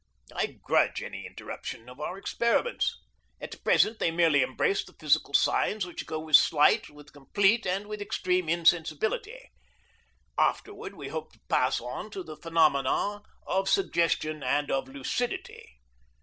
I grudge any interruption of our experiments. At present they merely embrace the physical signs which go with slight, with complete, and with extreme insensibility. Afterward we hope to pass on to the phenomena of suggestion and of lucidity.